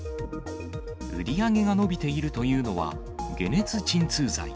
売り上げが伸びているというのは、解熱鎮痛剤。